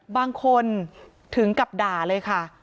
บางคนถึงกับด่าเลยค่ะ